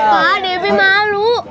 pak debbie malu